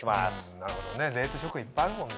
なるほどね冷凍食品いっぱいあるもんね。